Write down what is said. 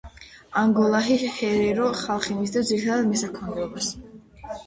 ანგოლაში ჰერერო ხალხი მისდევს, ძირითადად, მესაქონლეობას.